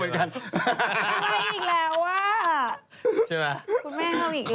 ใช่ป่ะคุณแม่เข้าอีกแล้วะ